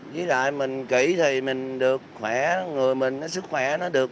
với lại mình kỹ thì mình được khỏe người mình sức khỏe nó được